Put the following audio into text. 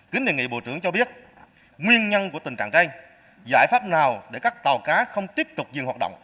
kính đề nghị bộ trưởng cho biết nguyên nhân của tình trạng đây giải pháp nào để các tàu cá không tiếp tục dừng hoạt động